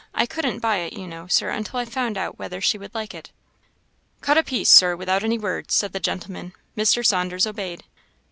I couldn't buy it, you know, Sir, until I found out whether she would like it." "Cut a piece, Sir, without any words," said the gentleman. Mr. Saunders obeyed.